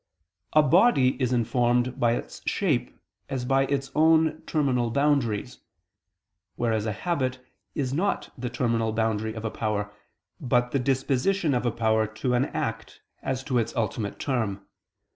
3: A body is informed by its shape as by its own terminal boundaries: whereas a habit is not the terminal boundary of a power, but the disposition of a power to an act as to its ultimate term.